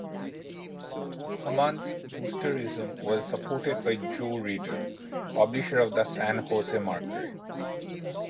Hamann's boosterism was supported by Joe Ridder, publisher of the "San Jose Mercury".